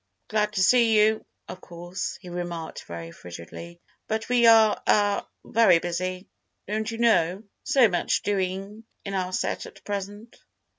"Glad to see you, of course," he remarked, very frigidly, "but we are, er—very busy, don't you know—so much doing in our set at present."